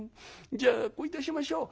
じゃあこういたしましょう。